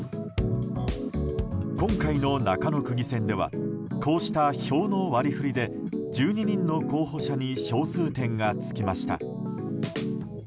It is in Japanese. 今回の中野区議選ではこうした票の割り振りで１２人の候補者に小数点がつきました。